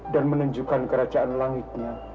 dan menunjukkan kerajaan langitnya